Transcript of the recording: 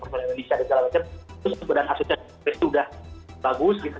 terus kemudian asosiasi itu sudah bagus gitu